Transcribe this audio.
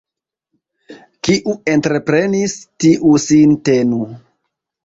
Kiu entreprenis, tiu sin tenu.